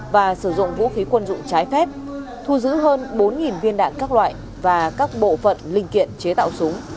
và sử dụng vũ khí quân dụng trái phép thu giữ hơn bốn viên đạn các loại và các bộ phận linh kiện chế tạo súng